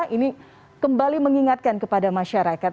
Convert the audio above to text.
ini kembali mengingatkan kepada masyarakat